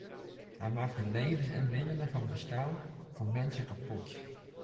Hij maakt de levens en middelen van bestaan van mensen kapot.